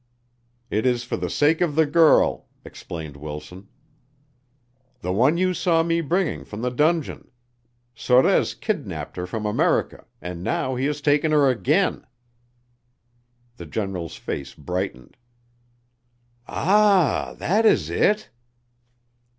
"It is for the sake of the girl," explained Wilson. "The one you saw me bringing from the dungeon. Sorez kidnapped her from America, and now he has taken her again." The General's face brightened. "Ah, that is it!"